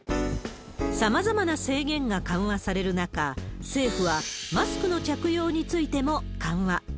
さまざまな制限が緩和される中、政府はマスクの着用についても緩和。